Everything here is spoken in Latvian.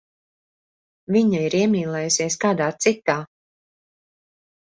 Viņa ir iemīlējusies kādā citā.